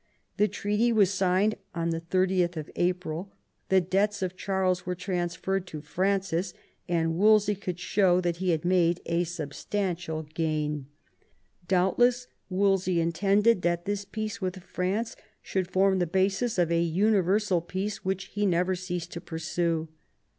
The treaty was signed on 30th April. The debts of Charles were transferred to Francis, and Wolsey could show that he had made a substantial gain. Doubtless Wolsey intended that this peace with France should form the basis of a universal peace, which he never ceased to pursue.